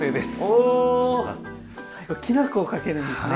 お最後きな粉をかけるんですね。